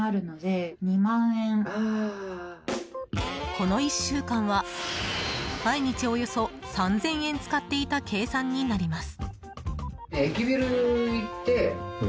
この１週間は毎日およそ３０００円使っていた計算になります。